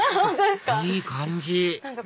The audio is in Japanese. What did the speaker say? いい感じ！